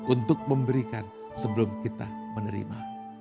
untuk memberikan sebelum kita menerima